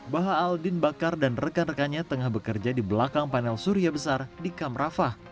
baha aldin bakar dan rekan rekannya tengah bekerja di belakang panel surya besar di kamrafah